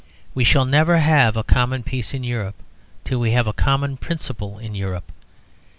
We shall never have a common peace in Europe till we have a common principle in Europe.